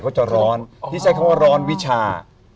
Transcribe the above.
ก็จะร้อนที่ใช้คำว่าร้อนวิชา